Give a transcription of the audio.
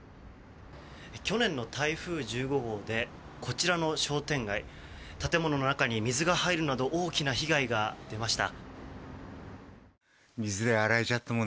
去年の台風１５号でこちらの商店街建物の中に水が入るなど大きな被害が出ました。